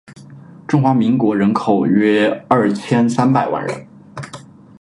中华民国人口约二千三百万人